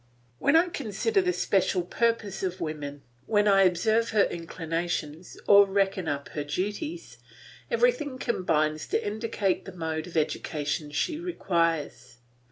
When I consider the special purpose of woman, when I observe her inclinations or reckon up her duties, everything combines to indicate the mode of education she requires.